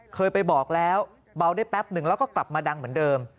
เคยไปบอกแล้วเบาได้แป๊บหนึ่งแล้วก็กลับมาดังเหมือนเดิม